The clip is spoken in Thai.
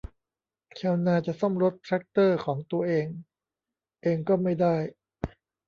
ชาวนาจะซ่อมรถแทรกเตอร์ของตัวเองเองก็ไม่ได้